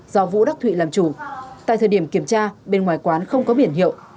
do vũ đắc thụy làm chủ tại thời điểm kiểm tra bên ngoài quán không có biển hiệu